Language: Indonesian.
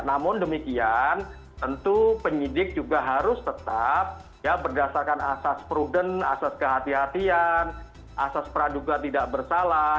namun demikian tentu penyidik juga harus tetap ya berdasarkan asas prudent asas kehatian asas peraduga tidak bersalah